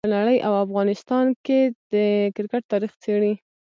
په نړۍ او افغانستان کې د کرکټ تاریخ څېړي.